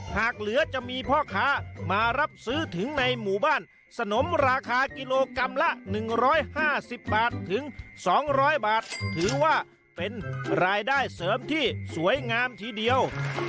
หากเหลือจะมีพ่อค้ามารับซื้อถึงในหมู่บ้านสนมราคากิโลกรัมละ๑๕๐บาทถึง๒๐๐บาทถือว่าเป็นรายได้เสริมที่สวยงามทีเดียว